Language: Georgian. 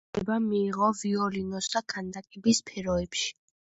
განათლება მიიღო ვიოლინოს და ქანდაკების სფეროებში.